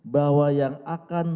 bahwa yang akan